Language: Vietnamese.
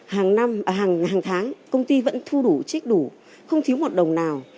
hàng tháng công ty vẫn thu đủ trích đủ không thiếu một đồng nào